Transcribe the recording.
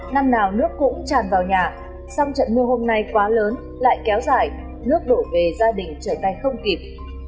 năm nào nước cũng tràn vào nhà song trận mưa hôm nay quá lớn lại kéo dài nước đổ về gia đình trở tay không kịp